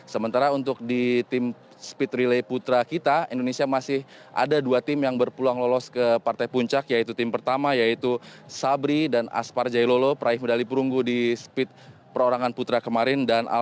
sementara untuk di tim speed relay putra kita indonesia masih ada dua tim yang berpeluang lolos ke partai puncak yaitu tim pertama yaitu sabri dan aspar jailolo peraih medali perunggu di speed perorangan putra kemarin